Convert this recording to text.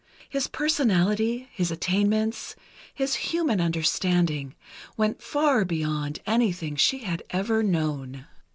His personality, his attainments, his human understanding, went far beyond anything she had ever known.